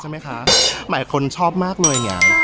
ไม้คนชอบมากเลย่ยย